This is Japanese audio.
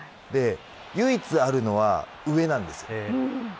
唯一あるのは、上なんです。